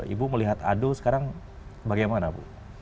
ibu melihat adu sekarang bagaimana bu